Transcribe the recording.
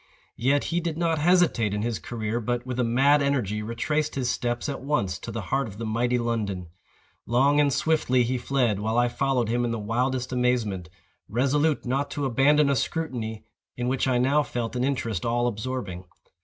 Yet he did not hesitate in his career, but, with a mad energy, retraced his steps at once, to the heart of the mighty London. Long and swiftly he fled, while I followed him in the wildest amazement, resolute not to abandon a scrutiny in which I now felt an interest all absorbing.